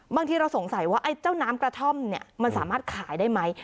บางทีเราสงสัยว่าไอ้เจ้าน้ำกระท่อมเนี่ยมันสามารถขายได้ไหม